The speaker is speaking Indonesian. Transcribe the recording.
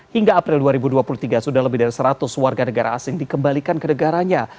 hingga april dua ribu dua puluh tiga sudah lebih dari seratus warga negara asing dikembalikan ke negaranya